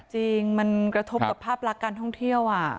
จริงมันกระทบกับภาพลักษณ์การท่องเที่ยว